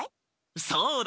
そうだ！